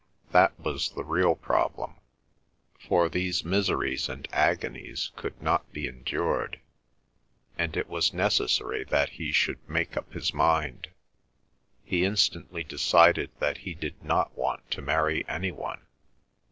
That was the real problem, for these miseries and agonies could not be endured, and it was necessary that he should make up his mind. He instantly decided that he did not want to marry any one.